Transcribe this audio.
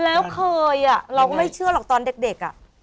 แล้วเคยอ่ะเราก็ไม่เชื่อหรอกตอนเด็กอ่ะ